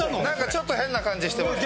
ちょっと変な感じしてます。